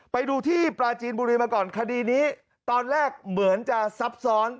ไปดูที่ปราจีนบุรีมาก่อนคดีนี้ตอนแรกเหมือนจะซับซ้อน